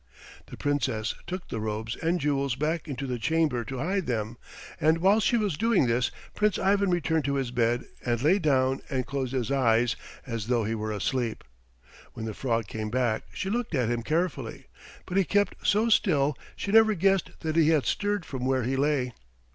The Princess took the robes and jewels back into the chamber to hide them, and while she was doing this Prince Ivan returned to his bed and lay down and closed his eyes as though he were asleep. When the frog came back she looked at him carefully, but he kept so still she never guessed that he had stirred from where he lay.